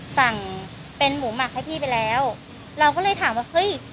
สั่งเป็นหมูหมักให้พี่ไปแล้วเราก็เลยถามว่าเฮ้ย